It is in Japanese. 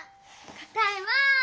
答えは。